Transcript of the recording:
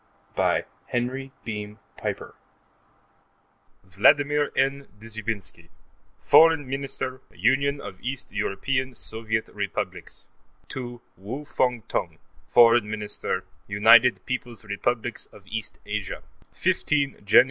P. By H. Beam Piper _Vladmir N. Dzhoubinsky, Foreign Minister, Union of East European Soviet Republics, to Wu Fung Tung, Foreign Minister, United Peoples' Republics of East Asia_: 15 Jan.